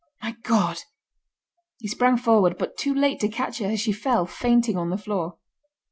my God!" He sprang forward, but too late to catch her as she fell fainting on the floor.